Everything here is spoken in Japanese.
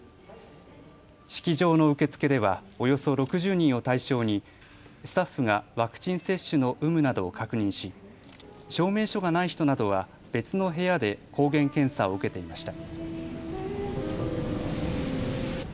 式場の受付ではおよそ６０人を対象にスタッフがワクチン接種の有無などを確認し証明書がない人などは別の部屋で抗原検査を受けていました。